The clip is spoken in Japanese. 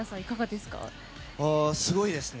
すごいですね。